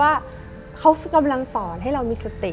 ว่าเขากำลังสอนให้เรามีสติ